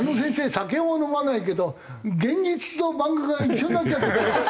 酒も飲まないけど現実と漫画が一緒になっちゃって。